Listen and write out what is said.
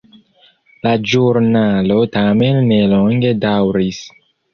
La ĵurnalo tamen ne longe daŭris.